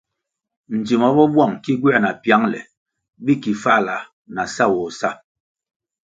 Dzima bo buang ki gywer na piangle bi ki fahla na sawoh sa.